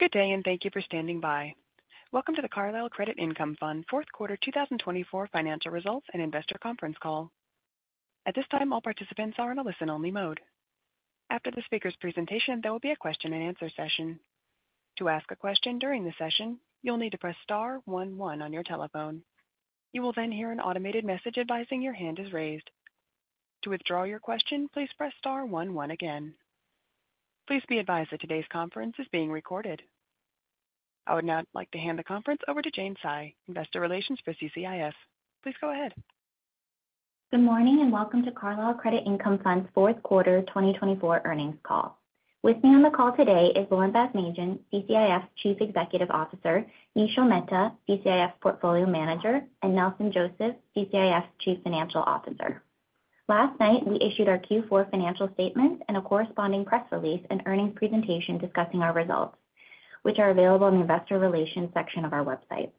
Good day, and thank you for standing by. Welcome to the Carlyle Credit Income Fund Fourth Quarter 2024 Financial Results and Investor Conference Call. At this time, all participants are in a listen-only mode. After the speaker's presentation, there will be a question-and-answer session. To ask a question during the session, you'll need to press star one one on your telephone. You will then hear an automated message advising your hand is raised. To withdraw your question, please press star one one again. Please be advised that today's conference is being recorded. I would now like to hand the conference over to Jane Cai, Investor Relations for CCIF. Please go ahead. Good morning, and welcome to Carlyle Credit Income Fund's Fourth Quarter 2024 Earnings Call. With me on the call today is Lauren Basmadjian, CCIF Chief Executive Officer, Nishil Mehta, CCIF Portfolio Manager, and Nelson Joseph, CCIF Chief Financial Officer. Last night, we issued our Q4 financial statements and a corresponding press release and earnings presentation discussing our results, which are available in the Investor Relations section of our website.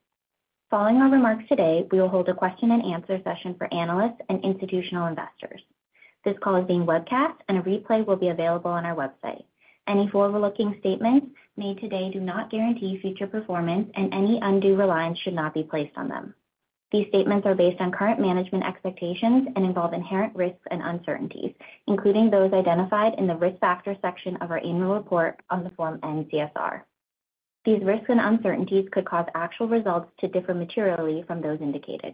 Following our remarks today, we will hold a question-and-answer session for analysts and institutional investors. This call is being webcast, and a replay will be available on our website. Any forward-looking statements made today do not guarantee future performance, and any undue reliance should not be placed on them. These statements are based on current management expectations and involve inherent risks and uncertainties, including those identified in the risk factor section of our annual report on the Form N-CSR. These risks and uncertainties could cause actual results to differ materially from those indicated.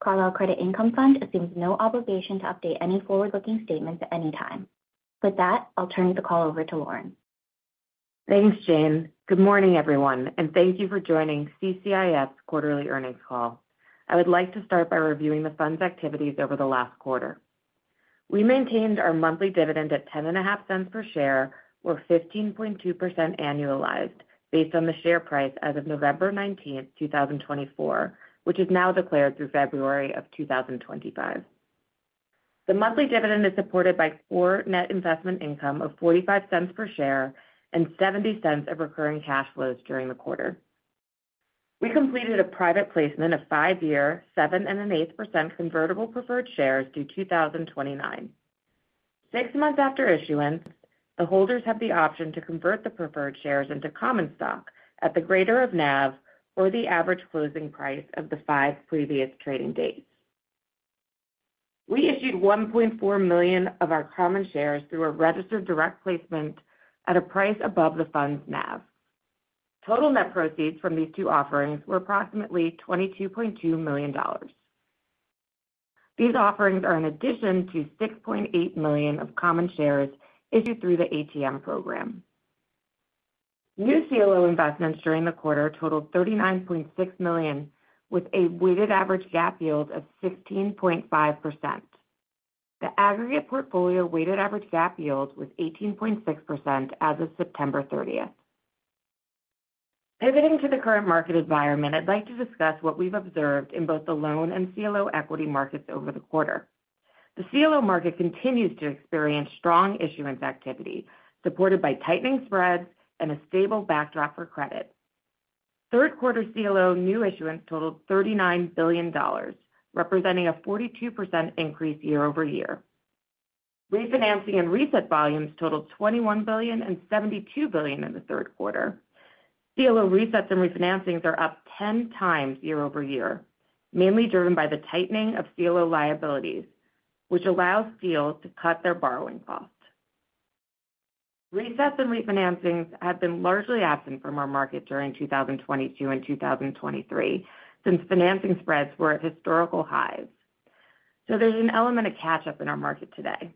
Carlyle Credit Income Fund assumes no obligation to update any forward-looking statements at any time. With that, I'll turn the call over to Lauren. Thanks, Jane. Good morning, everyone, and thank you for joining CCIF Quarterly Earnings Call. I would like to start by reviewing the fund's activities over the last quarter. We maintained our monthly dividend at $0.105 per share, or 15.2% annualized, based on the share price as of November 19, 2024, which is now declared through February of 2025. The monthly dividend is supported by core net investment income of $0.45 per share and $0.70 of recurring cash flows during the quarter. We completed a private placement of five-year, 7.8% convertible preferred shares due 2029. Six months after issuance, the holders have the option to convert the preferred shares into common stock at the greater of NAV or the average closing price of the five previous trading dates. We issued 1.4 million of our common shares through a registered direct placement at a price above the fund's NAV. Total net proceeds from these two offerings were approximately $22.2 million. These offerings are in addition to 6.8 million of common shares issued through the ATM program. New CLO investments during the quarter totaled $39.6 million, with a weighted average GAAP yield of 16.5%. The aggregate portfolio weighted average GAAP yield was 18.6% as of September 30. Pivoting to the current market environment, I'd like to discuss what we've observed in both the loan and CLO equity markets over the quarter. The CLO market continues to experience strong issuance activity, supported by tightening spreads and a stable backdrop for credit. Third-quarter CLO new issuance totaled $39 billion, representing a 42% increase year-over-year. Refinancing and reset volumes totaled $21 billion and $72 billion in the third quarter. CLO resets and refinancings are up 10x year-over-year, mainly driven by the tightening of CLO liabilities, which allows CLOs to cut their borrowing cost. Resets and refinancings have been largely absent from our market during 2022 and 2023 since financing spreads were at historical highs, so there's an element of catch-up in our market today.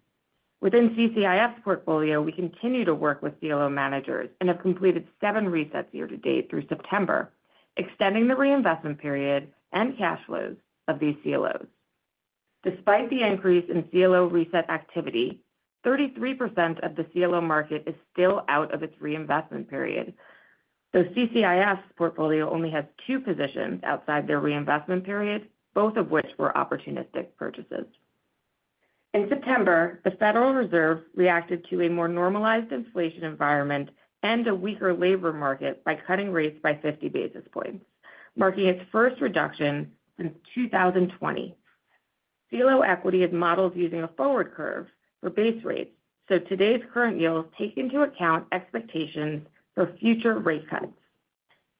Within CCIF Portfolio, we continue to work with CLO managers and have completed seven resets year-to-date through September, extending the reinvestment period and cash flows of these CLOs. Despite the increase in CLO reset activity, 33% of the CLO market is still out of its reinvestment period, though CCIF Portfolio only has two positions outside their reinvestment period, both of which were opportunistic purchases. In September, the Federal Reserve reacted to a more normalized inflation environment and a weaker labor market by cutting rates by 50 basis points, marking its first reduction since 2020. CLO equity is modeled using a forward curve for base rates, so today's current yields take into account expectations for future rate cuts.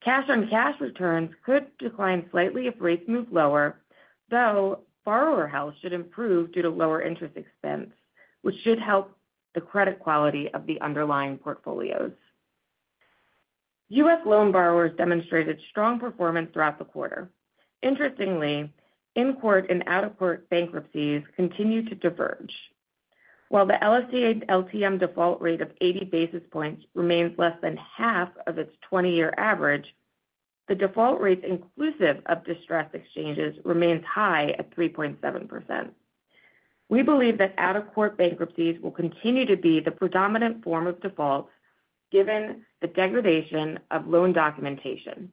Cash-on-cash returns could decline slightly if rates move lower, though borrower health should improve due to lower interest expense, which should help the credit quality of the underlying portfolios. U.S. loan borrowers demonstrated strong performance throughout the quarter. Interestingly, in-court and out-of-court bankruptcies continue to diverge. While the LSTA LTM default rate of 80 basis points remains less than half of its 20-year average, the default rates inclusive of distressed exchanges remain high at 3.7%. We believe that out-of-court bankruptcies will continue to be the predominant form of default given the degradation of loan documentation.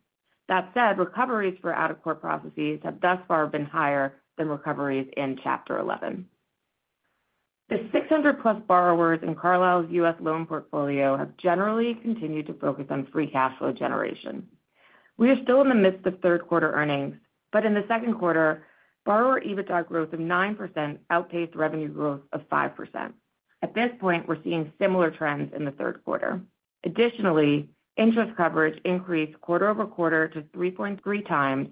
That said, recoveries for out-of-court processes have thus far been higher than recoveries in Chapter 11. The 600-plus borrowers in Carlyle's U.S. loan portfolio have generally continued to focus on free cash flow generation. We are still in the midst of third-quarter earnings, but in the second quarter, borrower EBITDA growth of 9% outpaced revenue growth of 5%. At this point, we're seeing similar trends in the third quarter. Additionally, interest coverage increased quarter-over-quarter to 3.3x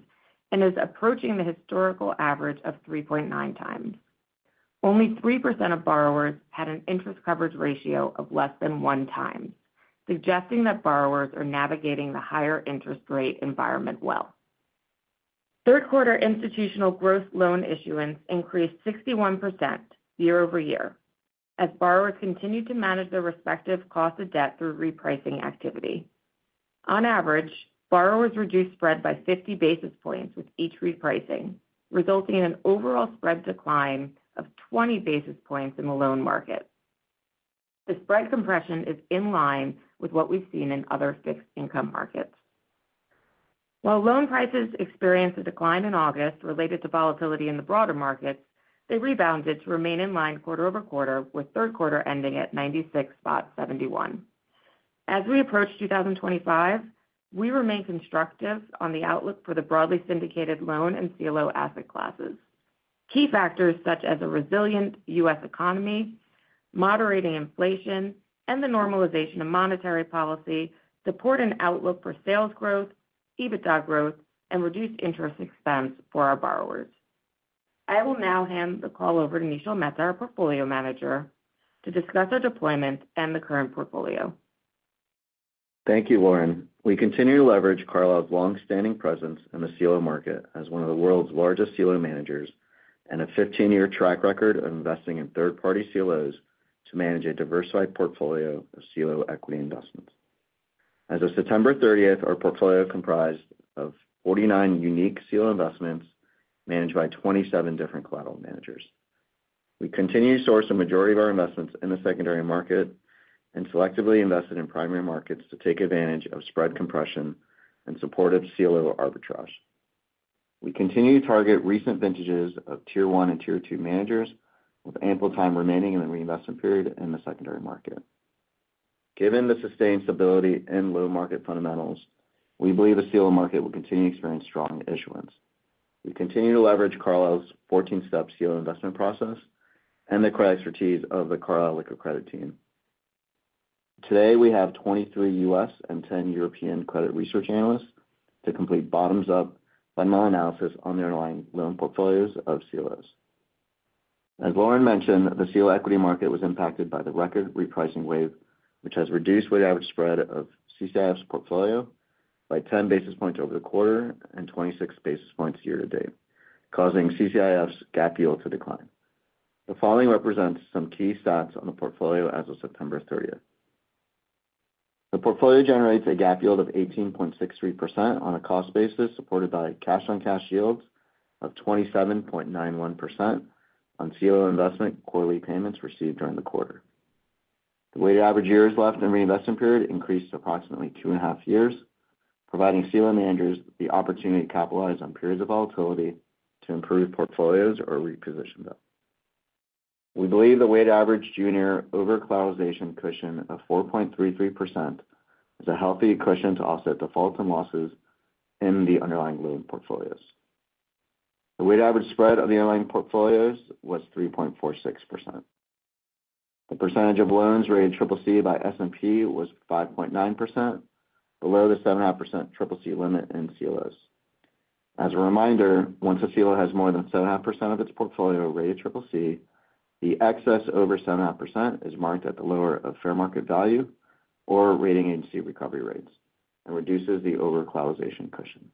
and is approaching the historical average of 3.9x. Only 3% of borrowers had an interest coverage ratio of less than 1x, suggesting that borrowers are navigating the higher interest rate environment well. Third-quarter institutional gross loan issuance increased 61% year-over-year as borrowers continued to manage their respective cost of debt through repricing activity. On average, borrowers reduced spread by 50 basis points with each repricing, resulting in an overall spread decline of 20 basis points in the loan market. The spread compression is in line with what we've seen in other fixed income markets. While loan prices experienced a decline in August related to volatility in the broader markets, they rebounded to remain in line quarter-over-quarter, with third quarter ending at 96.71. As we approach 2025, we remain constructive on the outlook for the broadly syndicated loan and CLO asset classes. Key factors such as a resilient U.S. economy, moderating inflation, and the normalization of monetary policy support an outlook for sales growth, EBITDA growth, and reduced interest expense for our borrowers. I will now hand the call over to Nishil Mehta, our Portfolio Manager, to discuss our deployment and the current portfolio. Thank you, Lauren. We continue to leverage Carlyle's longstanding presence in the CLO market as one of the world's largest CLO managers and a 15-year track record of investing in third-party CLOs to manage a diversified portfolio of CLO equity investments. As of September 30, our portfolio comprised of 49 unique CLO investments managed by 27 different collateral managers. We continue to source the majority of our investments in the secondary market and selectively invested in primary markets to take advantage of spread compression and supportive CLO arbitrage. We continue to target recent vintages of Tier 1 and Tier 2 managers with ample time remaining in the reinvestment period in the secondary market. Given the sustained stability and low market fundamentals, we believe the CLO market will continue to experience strong issuance. We continue to leverage Carlyle's 14-step CLO investment process and the credit expertise of the Carlyle Liquid Credit team. Today, we have 23 U.S. and 10 European credit research analysts to complete bottoms-up fundamental analysis on the underlying loan portfolios of CLOs. As Lauren mentioned, the CLO equity market was impacted by the record repricing wave, which has reduced weighted average spread of CCIF Portfolio by 10 basis points over the quarter and 26 basis points year-to-date, causing CCIF GAAP yield to decline. The following represents some key stats on the portfolio as of September 30. The portfolio generates a GAAP yield of 18.63% on a cost basis, supported by cash-on-cash yields of 27.91% on CLO investment quarterly payments received during the quarter. The weighted average years left in the reinvestment period increased to approximately two and a half years, providing CLO managers the opportunity to capitalize on periods of volatility to improve portfolios or reposition them. We believe the weighted average junior over-collateralization cushion of 4.33% is a healthy cushion to offset defaults and losses in the underlying loan portfolios. The weighted average spread of the underlying portfolios was 3.46%. The percentage of loans rated CCC by S&P was 5.9%, below the 7.5% CCC limit in CLOs. As a reminder, once a CLO has more than 7.5% of its portfolio rated CCC, the excess over 7.5% is marked at the lower of fair market value or rating agency recovery rates and reduces the over-collateralization cushion,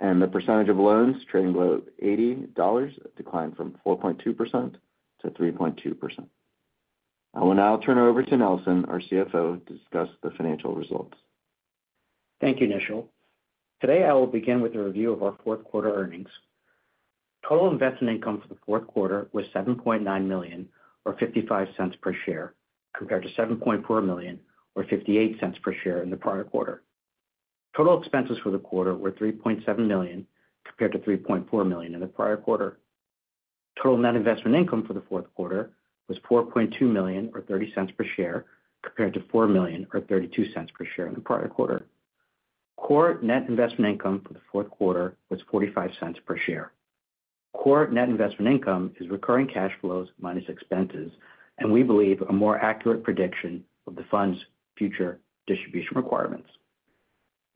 and the percentage of loans trading below $80 declined from 4.2% to 3.2%. I will now turn it over to Nelson, our CFO, to discuss the financial results. Thank you, Nishil. Today, I will begin with a review of our fourth quarter earnings. Total investment income for the fourth quarter was $7.9 million, or $0.55 per share, compared to $7.4 million, or $0.58 per share in the prior-quarter. Total expenses for the quarter were $3.7 million, compared to $3.4 million in the prior-quarter. Total net investment income for the fourth quarter was $4.2 million, or $0.30 per share, compared to $4 million, or $0.32 per share in the prior-quarter. Core Net Investment Income for the fourth quarter was $0.45 per share. Core Net Investment Income is recurring cash flows minus expenses, and we believe a more accurate prediction of the fund's future distribution requirements.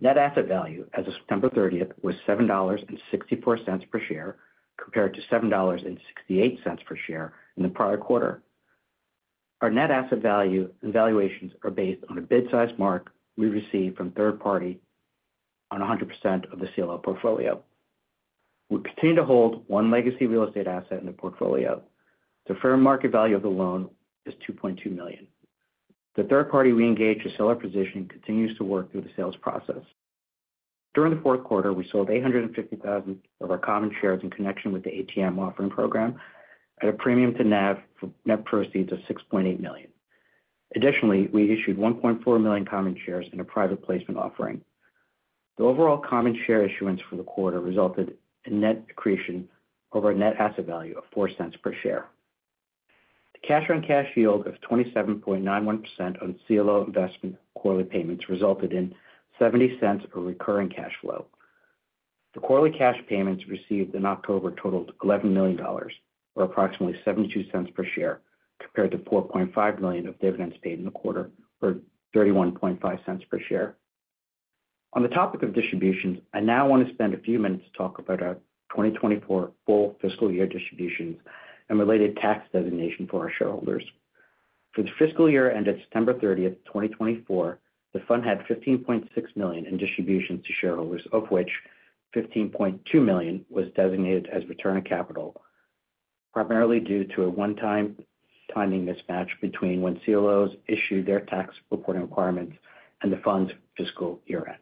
Net Asset Value as of September 30 was $7.64 per share, compared to $7.68 per share in the prior-quarter. Our Net Asset Value and valuations are based on a bid-sized mark we received from third party on 100% of the CLO portfolio. We continue to hold one legacy real estate asset in the portfolio. The fair market value of the loan is $2.2 million. The third party we engaged to sell our position continues to work through the sales process. During the fourth quarter, we sold 850,000 of our common shares in connection with the ATM offering program at a premium to NAV for net proceeds of $6.8 million. Additionally, we issued 1.4 million common shares in a private placement offering. The overall common share issuance for the quarter resulted in net accretion over a Net Asset Value of $0.04 per share. The cash-on-cash yield of 27.91% on CLO investment quarterly payments resulted in $0.70 of recurring cash flow. The quarterly cash payments received in October totaled $11 million, or approximately $0.72 per share, compared to $4.5 million of dividends paid in the quarter, or $0.315 per share. On the topic of distributions, I now want to spend a few minutes to talk about our 2024 full fiscal year distributions and related tax designation for our shareholders. For the fiscal year ended September 30, 2024, the fund had $15.6 million in distributions to shareholders, of which $15.2 million was designated as return of capital, primarily due to a one-time timing mismatch between when CLOs issued their tax reporting requirements and the fund's fiscal year-end.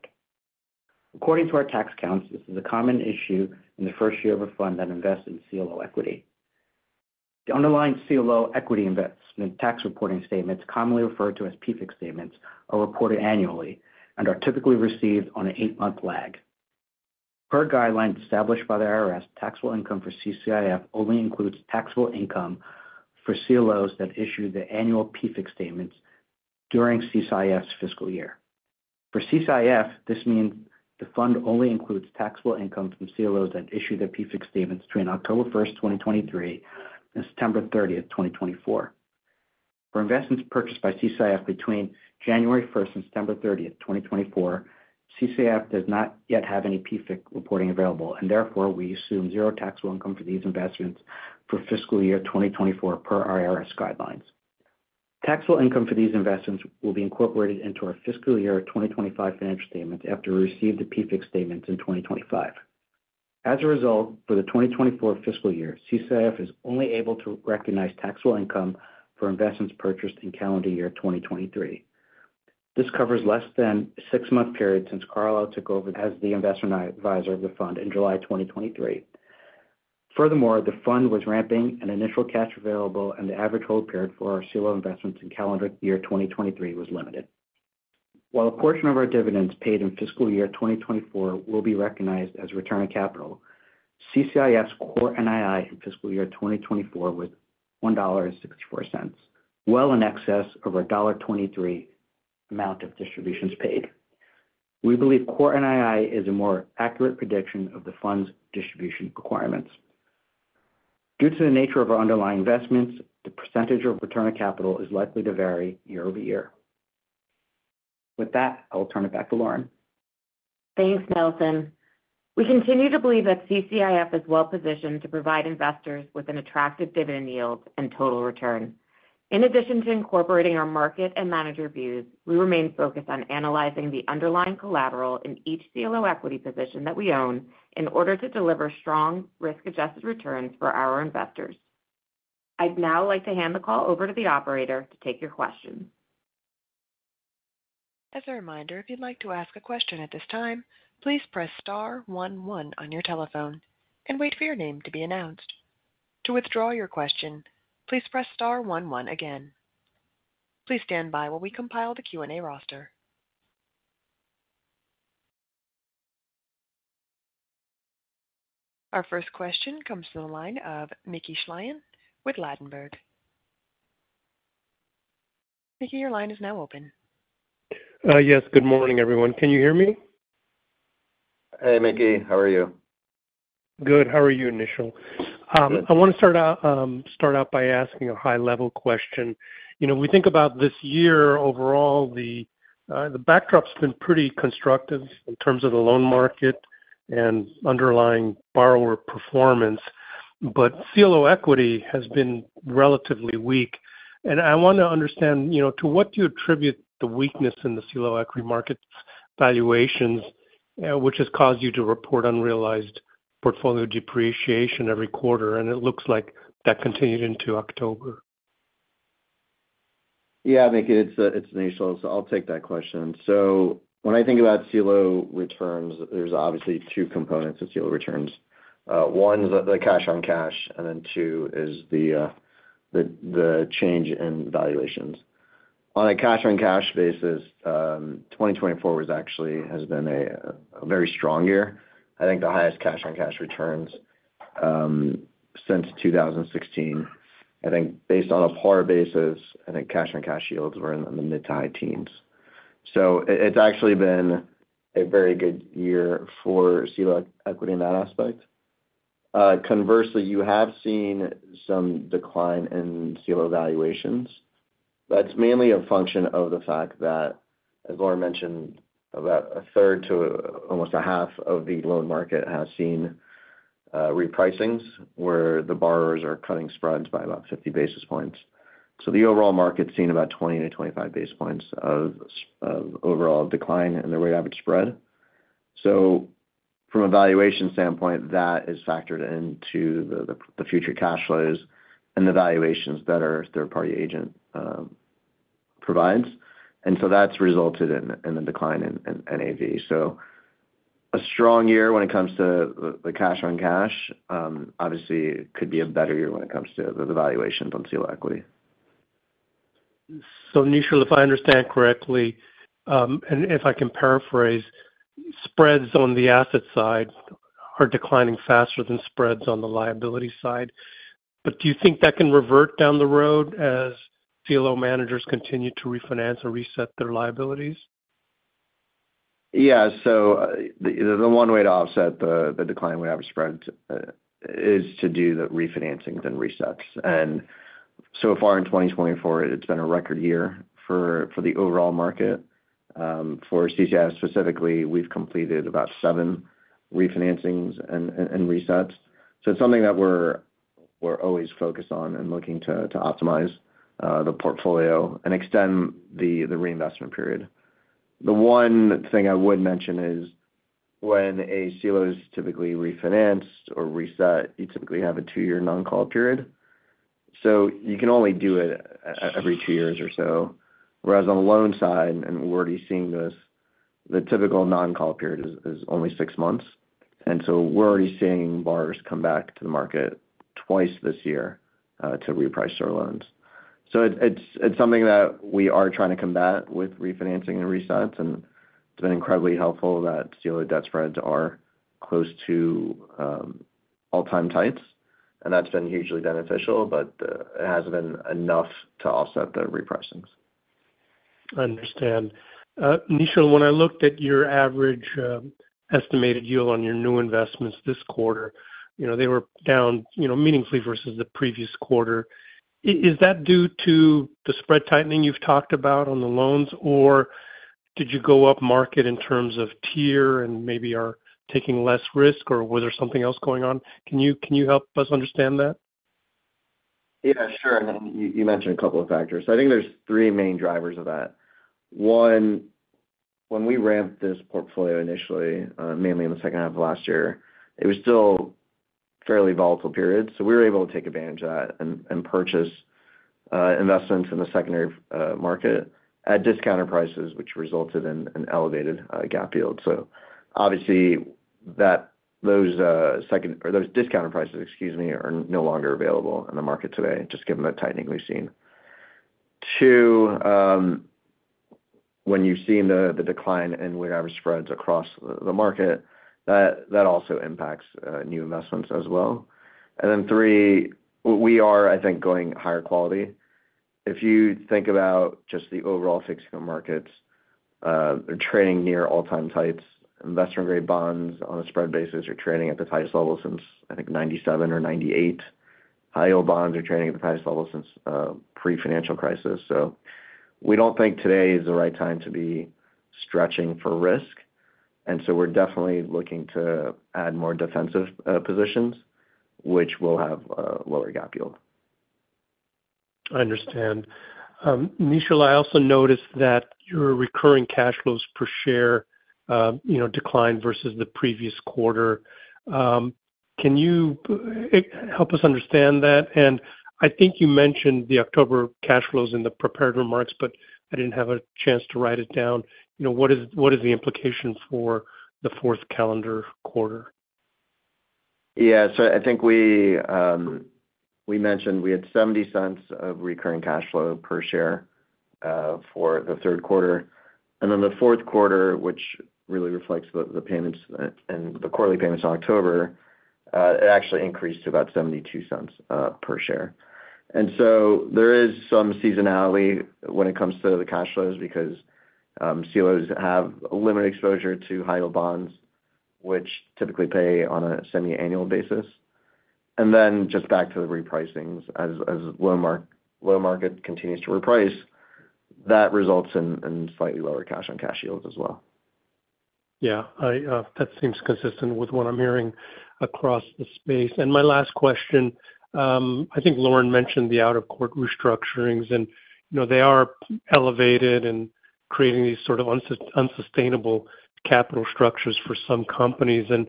According to our tax counsel, this is a common issue in the first year of a fund that invests in CLO equity. The underlying CLO equity investment tax reporting statements, commonly referred to as PFIC statements, are reported annually and are typically received on an eight-month lag. Per guidelines established by the IRS, taxable income for CCIF only includes taxable income for CLOs that issue the annual PFIC statements during CCIF's fiscal year. For CCIF, this means the fund only includes taxable income from CLOs that issue the PFIC statements between October 1, 2023, and September 30, 2024. For investments purchased by CCIF between January 1 2024 and September 30, 2024, CCIF does not yet have any PFIC reporting available, and therefore we assume zero taxable income for these investments for fiscal year 2024 per our IRS guidelines. Taxable income for these investments will be incorporated into our fiscal year 2025 financial statements after we receive the PFIC statements in 2025. As a result, for the 2024 fiscal year, CCIF is only able to recognize taxable income for investments purchased in calendar year 2023. This covers less than a six-month period since Carlyle took over as the investor and advisor of the fund in July 2023. Furthermore, the fund was ramping and initial cash available and the average hold period for our CLO investments in calendar year 2023 was limited. While a portion of our dividends paid in fiscal year 2024 will be recognized as return of capital, CCIF's core NII in fiscal year 2024 was $1.64, well in excess of our $1.23 amount of distributions paid. We believe core NII is a more accurate prediction of the fund's distribution requirements. Due to the nature of our underlying investments, the percentage of return of capital is likely to vary year-over-year. With that, I will turn it back to Lauren. Thanks, Nelson. We continue to believe that CCIF is well positioned to provide investors with an attractive dividend yield and total return. In addition to incorporating our market and manager views, we remain focused on analyzing the underlying collateral in each CLO equity position that we own in order to deliver strong risk-adjusted returns for our investors. I'd now like to hand the call over to the operator to take your questions. As a reminder, if you'd like to ask a question at this time, please press star one one on your telephone and wait for your name to be announced. To withdraw your question, please press star one one again. Please stand by while we compile the Q&A roster. Our first question comes from the line of Mickey Schleien with Ladenburg. Mickey, your line is now open. Yes. Good morning, everyone. Can you hear me? Hey, Mickey. How are you? Good. How are you, Nishil? I want to start out by asking a high-level question. You know, we think about this year overall, the backdrop's been pretty constructive in terms of the loan market and underlying borrower performance, but CLO equity has been relatively weak. And I want to understand, you know, to what do you attribute the weakness in the CLO equity market valuations, which has caused you to report unrealized portfolio depreciation every quarter? And it looks like that continued into October. Yeah, Mickey, it's Nishil, so I'll take that question. So when I think about CLO returns, there's obviously two components of CLO returns. One is the cash-on-cash, and then two is the change in valuations. On a cash-on-cash basis, 2024 has been a very strong year. I think the highest cash-on-cash returns since 2016. I think based on a par basis, I think cash-on-cash yields were in the mid to high teens. So it's actually been a very good year for CLO equity in that aspect. Conversely, you have seen some decline in CLO valuations. That's mainly a function of the fact that, as Lauren mentioned, about a third to almost a half of the loan market has seen repricings where the borrowers are cutting spreads by about 50 basis points. So the overall market's seen about 20-25 basis points of overall decline in the weighted average spread. So from a valuation standpoint, that is factored into the future cash flows and the valuations that our third-party agent provides. And so that's resulted in the decline in NAV. So a strong year when it comes to the cash-on-cash, obviously, could be a better year when it comes to the valuations on CLO equity. So Nishil, if I understand correctly, and if I can paraphrase, spreads on the asset side are declining faster than spreads on the liability side. But do you think that can revert down the road as CLO managers continue to refinance and reset their liabilities? Yeah. So the one way to offset the decline in weighted average spread is to do the refinancings and resets. And so far in 2024, it's been a record year for the overall market. For CCIF specifically, we've completed about seven refinancings and resets. So it's something that we're always focused on and looking to optimize the portfolio and extend the reinvestment period. The one thing I would mention is when a CLO is typically refinanced or reset, you typically have a two-year non-call period. So you can only do it every two years or so. Whereas on the loan side, and we're already seeing this, the typical non-call period is only six months. And so we're already seeing borrowers come back to the market twice this year to reprice their loans. So it's something that we are trying to combat with refinancing and resets. And it's been incredibly helpful that CLO debt spreads are close to all-time tights. And that's been hugely beneficial, but it hasn't been enough to offset the repricings. I understand. Nishil, when I looked at your average estimated yield on your new investments this quarter, they were down meaningfully versus the previous quarter. Is that due to the spread tightening you've talked about on the loans, or did you go up market in terms of tier and maybe are taking less risk, or was there something else going on? Can you help us understand that? Yeah, sure, and you mentioned a couple of factors. I think there's three main drivers of that. One, when we ramped this portfolio initially, mainly in the second half of last year, it was still a fairly volatile period. So we were able to take advantage of that and purchase investments in the secondary market at discounted prices, which resulted in an elevated GAAP yield, so obviously, those discounted prices, excuse me, are no longer available in the market today, just given the tightening we've seen. Two, when you've seen the decline in weighted average spreads across the market, that also impacts new investments as well, and then three, we are, I think, going higher quality. If you think about just the overall fixed income markets, they're trading near all-time tights. Investment-grade bonds on a spread basis are trading at the highest level since, I think, 1997 or 1998. High-yield bonds are trading at the highest level since the pre-financial crisis. So we don't think today is the right time to be stretching for risk. And so we're definitely looking to add more defensive positions, which will have a lower GAAP yield. I understand. Nishil, I also noticed that your recurring cash flows per share declined versus the previous quarter. Can you help us understand that? And I think you mentioned the October cash flows in the prepared remarks, but I didn't have a chance to write it down. What is the implication for the fourth calendar quarter? Yeah. So I think we mentioned we had $0.70 of recurring cash flow per share for the third quarter. And then the fourth quarter, which really reflects the payments and the quarterly payments in October, it actually increased to about $0.72 per share. And so there is some seasonality when it comes to the cash flows because CLOs have limited exposure to high-yield bonds, which typically pay on a semi-annual basis. And then just back to the repricings, as the loan market continues to reprice, that results in slightly lower cash-on-cash yields as well. Yeah. That seems consistent with what I'm hearing across the space. And my last question, I think Lauren mentioned the out-of-court restructurings, and they are elevated and creating these sort of unsustainable capital structures for some companies. And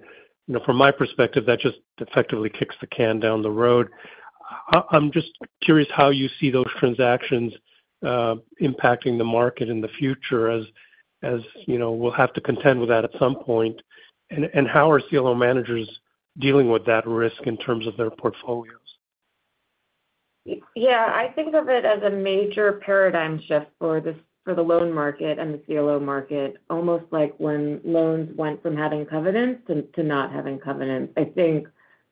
from my perspective, that just effectively kicks the can down the road. I'm just curious how you see those transactions impacting the market in the future as we'll have to contend with that at some point. And how are CLO managers dealing with that risk in terms of their portfolios? Yeah. I think of it as a major paradigm shift for the loan market and the CLO market, almost like when loans went from having covenants to not having covenants. I think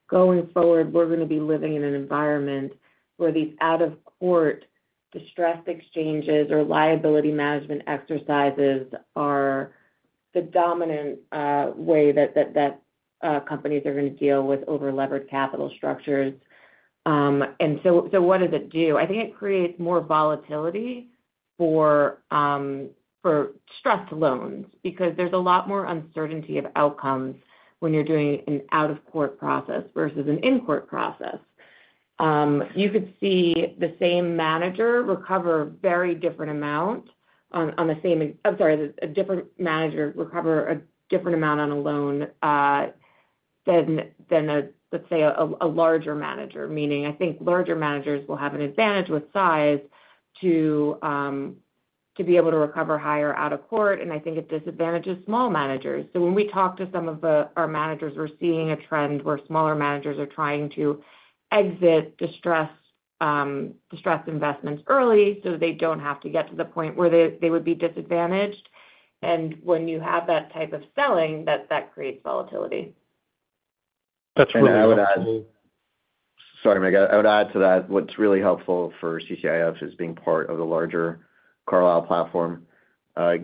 going forward, we're going to be living in an environment where these out-of-court distressed exchanges or liability management exercises are the dominant way that companies are going to deal with over-levered capital structures. And so what does it do? I think it creates more volatility for stressed loans because there's a lot more uncertainty of outcomes when you're doing an out-of-court process versus an in-court process. You could see the same manager recover a very different amount on the same - I'm sorry, a different manager recover a different amount on a loan than, let's say, a larger manager, meaning I think larger managers will have an advantage with size to be able to recover higher out of court. And I think it disadvantages small managers. So when we talk to some of our managers, we're seeing a trend where smaller managers are trying to exit distressed investments early so that they don't have to get to the point where they would be disadvantaged. And when you have that type of selling, that creates volatility. That's really helpful. Sorry, Mickey. I would add to that what's really helpful for CCIF is being part of the larger Carlyle platform,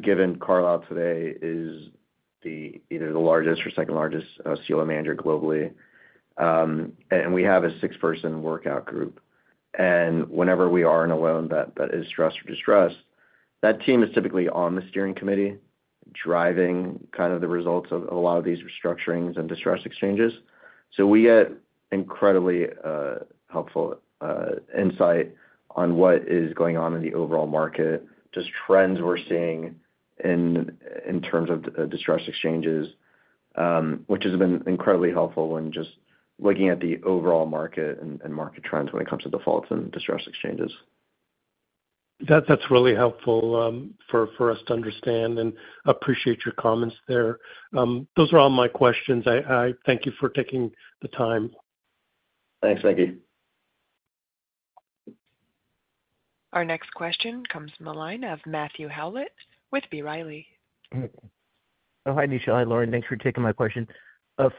given Carlyle today is either the largest or second-largest CLO manager globally. And we have a six-person workout group. And whenever we are in a loan that is stressed or distressed, that team is typically on the steering committee driving kind of the results of a lot of these restructurings and distressed exchanges. So we get incredibly helpful insight on what is going on in the overall market, just trends we're seeing in terms of distressed exchanges, which has been incredibly helpful when just looking at the overall market and market trends when it comes to defaults and distressed exchanges. That's really helpful for us to understand and appreciate your comments there. Those are all my questions. I thank you for taking the time. Thanks, Mickey. Our next question comes from the line of Matthew Howlett with B. Riley. Oh, hi, Nishil. Hi, Lauren. Thanks for taking my question.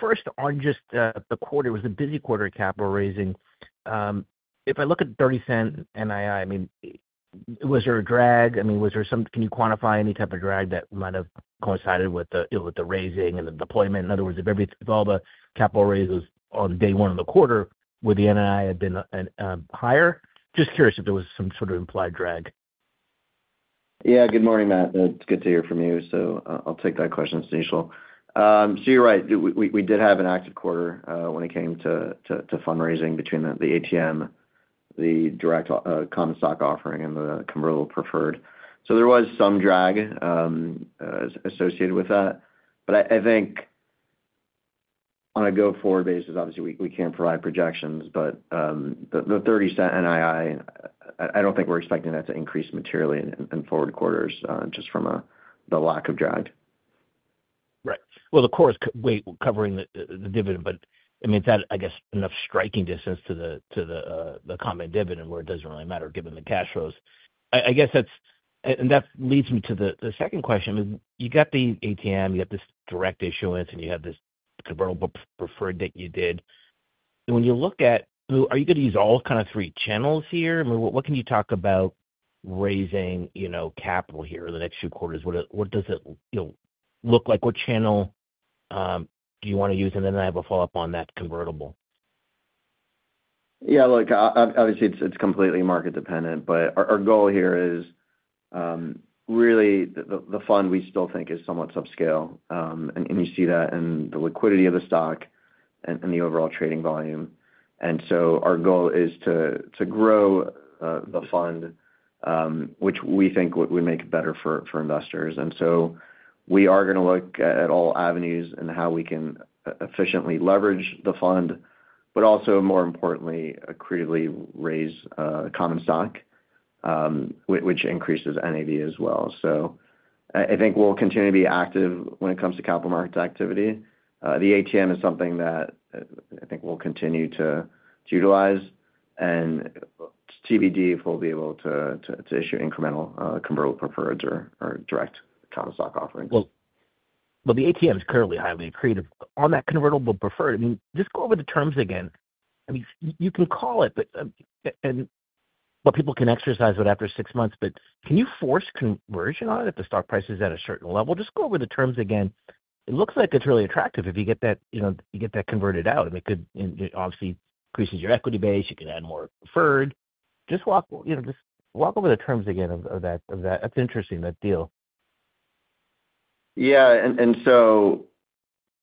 First, on just the quarter, it was a busy quarter of capital raising. If I look at $0.30 NII, I mean, was there a drag? I mean, was there some, can you quantify any type of drag that might have coincided with the raising and the deployment? In other words, if all the capital raises on day one of the quarter, would the NII have been higher? Just curious if there was some sort of implied drag. Yeah. Good morning, Matt. It's good to hear from you. So I'll take that question, it's Nishil. So you're right. We did have an active quarter when it came to fundraising between the ATM, the direct common stock offering, and the convertible preferred. So there was some drag associated with that. But I think on a go-forward basis, obviously, we can't provide projections, but the $0.30 NII, I don't think we're expecting that to increase materially in forward quarters just from the lack of drag. Right. Well, of course, we're covering the dividend, but I mean, is that, I guess, enough striking distance to the common dividend where it doesn't really matter given the cash flows? I guess that leads me to the second question. You got the ATM, you got this direct issuance, and you have this Convertible Preferred that you did. When you look at, are you going to use all kind of three channels here? I mean, what can you talk about raising capital here in the next few quarters? What does it look like? What channel do you want to use? And then I have a follow-up on that convertible. Yeah. Look, obviously, it's completely market-dependent, but our goal here is really the fund we still think is somewhat subscale. And you see that in the liquidity of the stock and the overall trading volume. And so our goal is to grow the fund, which we think would make it better for investors. And so we are going to look at all avenues and how we can efficiently leverage the fund, but also, more importantly, accretively raise common stock, which increases NAV as well. So I think we'll continue to be active when it comes to capital markets activity. The ATM is something that I think we'll continue to utilize. And TBD, if we'll be able to issue incremental convertible preferreds or direct common stock offerings. The ATM is currently highly accretive. On that convertible preferred, I mean, just go over the terms again. I mean, you can call it, but people can exercise it after six months. But can you force conversion on it if the stock price is at a certain level? Just go over the terms again. It looks like it's really attractive if you get that converted out. I mean, it could obviously increase your equity base. You could add more preferred. Just walk over the terms again of that. That's interesting, that deal. Yeah, and so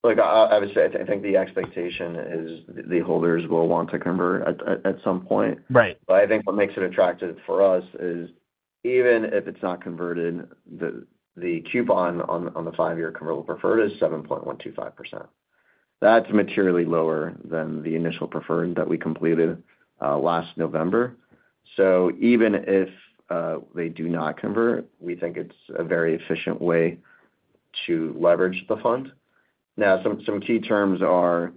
obviously, I think the expectation is the holders will want to convert at some point, but I think what makes it attractive for us is even if it's not converted, the coupon on the five-year convertible preferred is 7.125%. That's materially lower than the initial preferred that we completed last November, so even if they do not convert, we think it's a very efficient way to leverage the fund. Now, some key terms are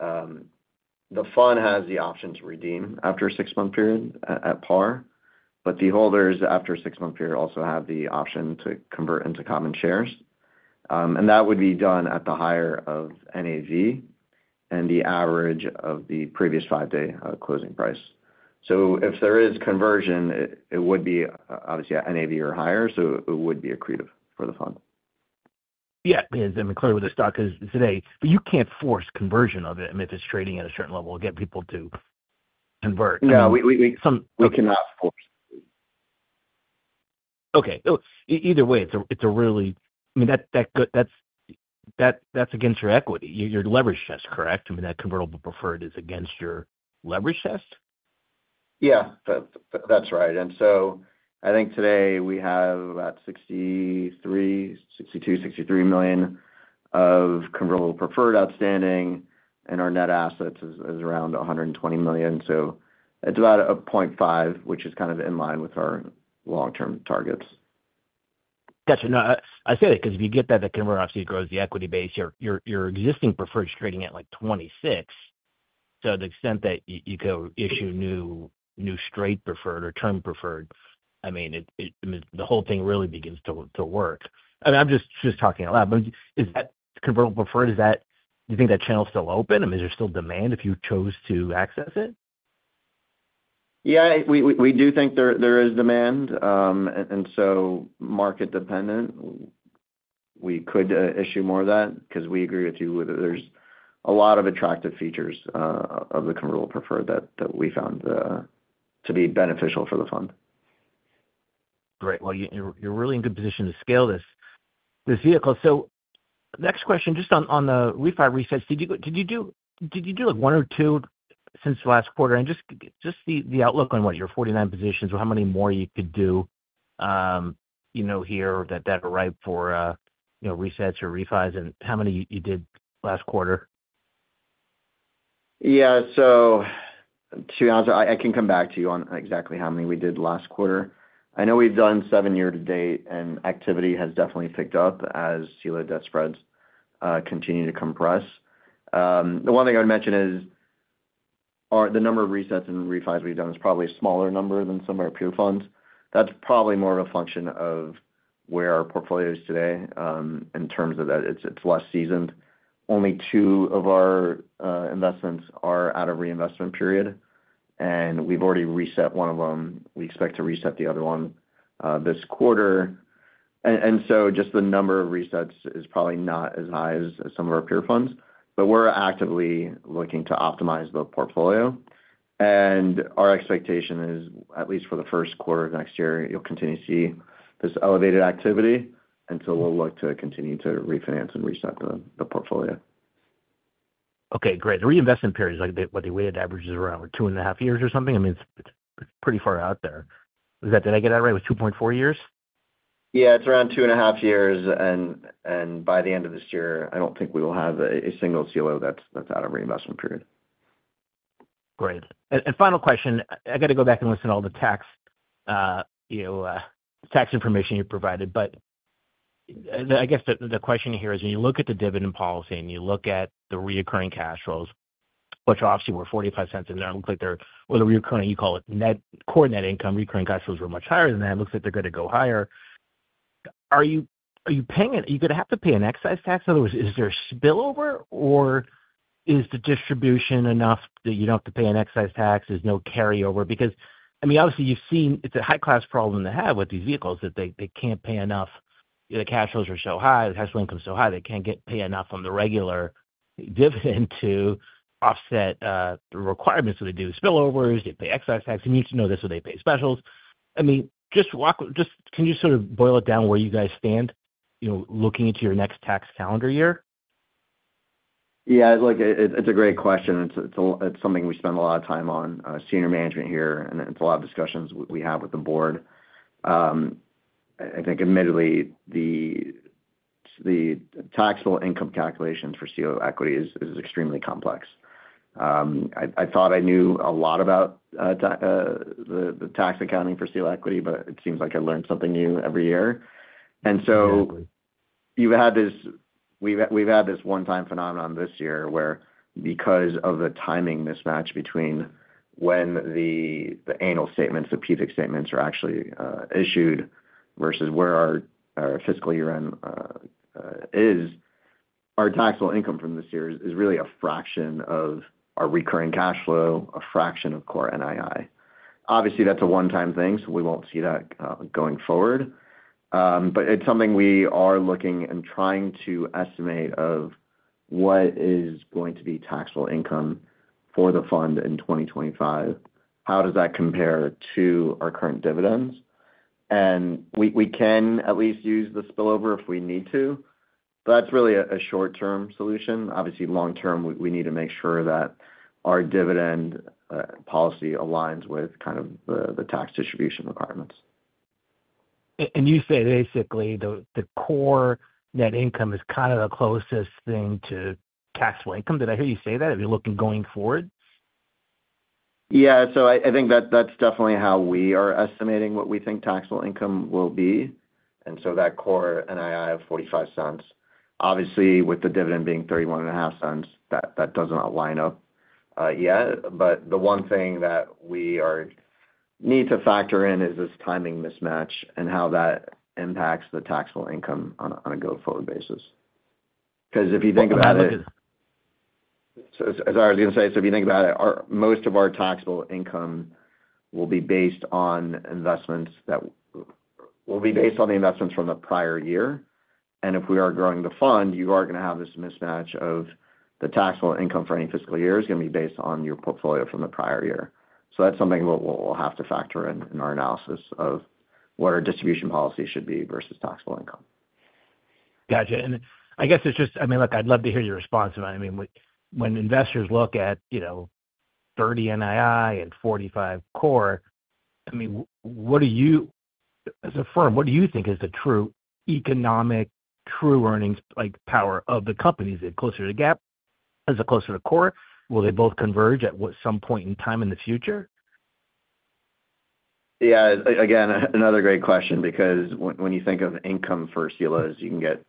the fund has the option to redeem after a six-month period at par, but the holders after a six-month period also have the option to convert into common shares, and that would be done at the higher of NAV and the average of the previous five-day closing price, so if there is conversion, it would be obviously at NAV or higher, so it would be accretive for the fund. Yeah. And clearly, with the stock is today, but you can't force conversion of it. I mean, if it's trading at a certain level, get people to convert. No, we cannot force it. Okay. Either way, it's a really, I mean, that's against your equity. Your leverage test, correct? I mean, that convertible preferred is against your leverage test? Yeah. That's right. And so I think today we have about $62 million-$63 million of convertible preferred outstanding, and our net assets is around $120 million. So it's about a 0.5, which is kind of in line with our long-term targets. Gotcha. No, I say that because if you get that, the convertible obviously grows the equity base. Your existing preferred is trading at like $26. So the extent that you could issue new straight preferred or term preferred, I mean, the whole thing really begins to work. I mean, I'm just talking out loud. But convertible preferred, do you think that channel is still open? I mean, is there still demand if you chose to access it? Yeah. We do think there is demand. And so market-dependent, we could issue more of that because we agree with you that there's a lot of attractive features of the convertible preferred that we found to be beneficial for the fund. Great. Well, you're really in good position to scale this vehicle. So next question, just on the refi resets, did you do like one or two since the last quarter? And just the outlook on what your 49 positions or how many more you could do here that are ripe for resets or refis, and how many you did last quarter? Yeah. So to be honest, I can come back to you on exactly how many we did last quarter. I know we've done seven year-to-date, and activity has definitely picked up as CLO debt spreads continue to compress. The one thing I would mention is the number of resets and refis we've done is probably a smaller number than some of our peer funds. That's probably more of a function of where our portfolio is today in terms of that. It's less seasoned. Only two of our investments are out of reinvestment period, and we've already reset one of them. We expect to reset the other one this quarter. And so just the number of resets is probably not as high as some of our peer funds, but we're actively looking to optimize the portfolio. Our expectation is, at least for the first quarter of next year, you'll continue to see this elevated activity. And so we'll look to continue to refinance and reset the portfolio. Okay. Great. The reinvestment period, what they weighted averages around two and a half years or something. I mean, it's pretty far out there. Did I get that right? It was 2.4 years? Yeah. It's around two and a half years, and by the end of this year, I don't think we will have a single CLO that's out of reinvestment period. Great. And final question. I got to go back and listen to all the tax information you provided. But I guess the question here is, when you look at the dividend policy and you look at the recurring cash flows, which obviously were $0.45 in there, it looks like they're, well, the recurring, you call it core net investment income, recurring cash flows were much higher than that. It looks like they're going to go higher. Are you paying it? You're going to have to pay an excise tax. In other words, is there spillover or is the distribution enough that you don't have to pay an excise tax? There's no carryover? Because, I mean, obviously, you've seen it's a high-class problem to have with these vehicles that they can't pay enough. The cash flows are so high. The cash flow income is so high. They can't pay enough on the regular dividend to offset the requirements that they do. Spillovers, they pay excise tax, and you need to know this when they pay specials. I mean, just can you sort of boil it down where you guys stand looking into your next tax calendar year? Yeah. It's a great question. It's something we spend a lot of time on senior management here. And it's a lot of discussions we have with the board. I think, admittedly, the taxable income calculations for CLO equity is extremely complex. I thought I knew a lot about the tax accounting for CLO equity, but it seems like I learn something new every year. And so we've had this one-time phenomenon this year where, because of the timing mismatch between when the annual statements, the PFIC statements are actually issued versus where our fiscal year end is, our taxable income from this year is really a fraction of our recurring cash flow, a fraction of core NII. Obviously, that's a one-time thing, so we won't see that going forward. But it's something we are looking and trying to estimate of what is going to be taxable income for the fund in 2025. How does that compare to our current dividends? And we can at least use the spillover if we need to, but that's really a short-term solution. Obviously, long-term, we need to make sure that our dividend policy aligns with kind of the tax distribution requirements. You say basically the core net income is kind of the closest thing to taxable income. Did I hear you say that? Are you looking going forward? Yeah. So I think that's definitely how we are estimating what we think taxable income will be. And so that core NII of $0.45, obviously, with the dividend being $0.315, that doesn't align up yet. But the one thing that we need to factor in is this timing mismatch and how that impacts the taxable income on a go-forward basis. Because if you think about it. Yeah. I like it. So, I was going to say, so if you think about it, most of our taxable income will be based on investments that will be based on the investments from the prior-year. And if we are growing the fund, you are going to have this mismatch of the taxable income for any fiscal year is going to be based on your portfolio from the prior-year. So that's something we'll have to factor in our analysis of what our distribution policy should be versus taxable income. Gotcha, and I guess it's just, I mean, look, I'd love to hear your response about it. I mean, when investors look at 30 NII and 45 core, I mean, as a firm, what do you think is the true economic true earnings power of the companies? Is it closer to the GAAP? Is it closer to core? Will they both converge at some point in time in the future? Yeah. Again, another great question because when you think of income for CLOs, you can get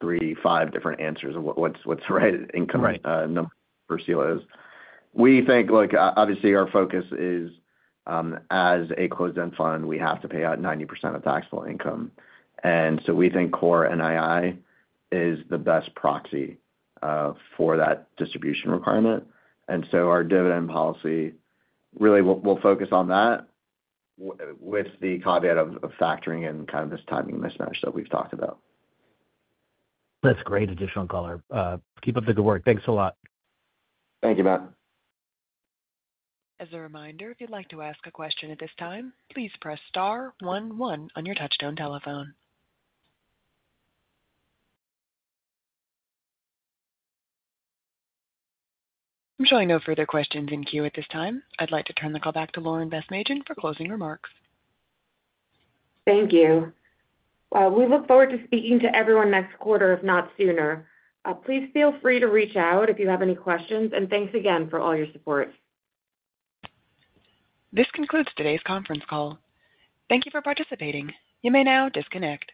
three, five different answers of what's the right income number for CLOs. We think, look, obviously, our focus is as a closed-end fund, we have to pay out 90% of taxable income. And so we think core NII is the best proxy for that distribution requirement. And so our dividend policy really will focus on that with the caveat of factoring in kind of this timing mismatch that we've talked about. That's great additional color. Keep up the good work. Thanks a lot. Thank you, Matt. As a reminder, if you'd like to ask a question at this time, please press star 11 on your touch-tone telephone. I'm showing no further questions in queue at this time. I'd like to turn the call back to Lauren Basmadjian for closing remarks. Thank you. We look forward to speaking to everyone next quarter, if not sooner. Please feel free to reach out if you have any questions. And thanks again for all your support. This concludes today's conference call. Thank you for participating. You may now disconnect.